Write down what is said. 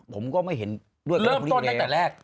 ผมก็ไม่เห็นเรื่องกันอยู่ดีแล้วเริ่มต้นตั้งแต่แรก